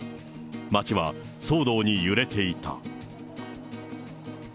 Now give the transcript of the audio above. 町は騒動に揺れていた。